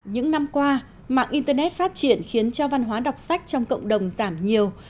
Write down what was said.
những năm qua mạng internet phát triển khiến cho văn hóa đọc sách trong cộng đồng giảm nhiều